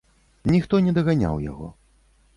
Ніхто не даганяў яго.